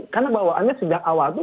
karena bawaannya sejak awal tuh